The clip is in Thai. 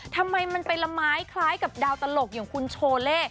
ทำไมมันไปละไม้คล้ายกับดาวตลกอย่างคุณโชเล่